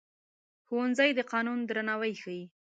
ښوونځی د قانون درناوی ښيي